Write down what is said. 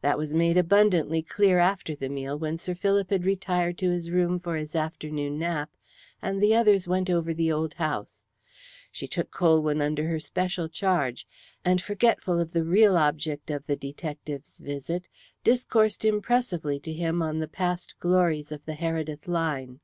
That was made abundantly clear after the meal, when Sir Philip had retired to his room for his afternoon nap, and the others went over the old house. She took Colwyn under her special charge, and, forgetful of the real object of the detective's visit, discoursed impressively to him on the past glories of the Heredith line.